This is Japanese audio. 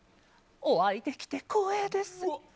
お会いできて光栄です。